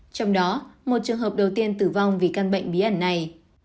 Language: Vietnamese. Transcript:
trong đó một trường hợp đầu tiên tử vong vì căn bệnh bí ẩn này